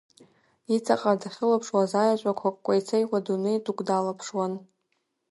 Иҵаҟа дахьылаԥшуаз аиаҵәақәа кәеи-цеиуа, дунеи дук далаԥшуан.